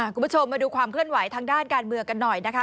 คุณผู้ชมมาดูความเคลื่อนไหวทางด้านการเมืองกันหน่อยนะคะ